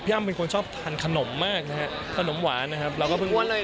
พี่อ้ำเป็นคนชอบทานขนมมากนะครับขนมหวานนะครับ